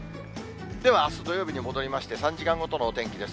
では、あす土曜日に戻りまして、３時間ごとのお天気です。